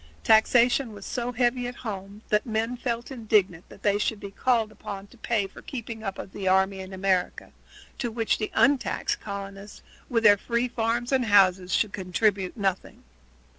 Taxation was so heavy at home that men felt indignant that they should be called upon to pay for the keeping up of the army in America, to which the untaxed colonists, with their free farms and houses, would contribute nothing.